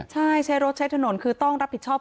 ใช่ใช้รถใช้ถนนคือต้องรับผิดชอบ